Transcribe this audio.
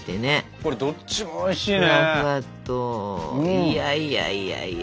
いやいやいやいや。